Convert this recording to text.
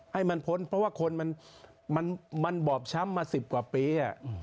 ให้มันพ้นเพราะว่าคนมันบอบช้ำมา๑๐กว่าปี